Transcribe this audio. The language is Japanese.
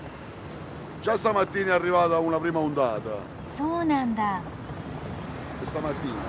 そうなんだ。